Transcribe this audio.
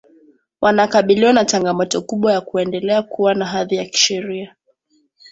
wanakabiliwa na changamoto kubwa ya kuendelea kuwa na hadhi ya kisheria